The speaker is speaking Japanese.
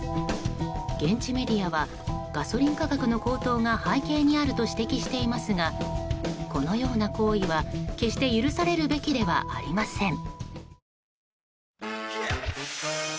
現地メディアはガソリン価格の高騰が背景にあると指摘していますがこのような行為は決して許されるべきではありません。